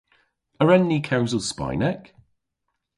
A wren ni kewsel Spaynek?